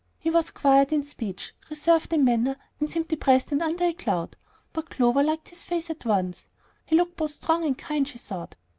He was quiet in speech, reserved in manner, and seemed depressed and under a cloud; but Clover liked his face at once. He looked both strong and kind, she thought.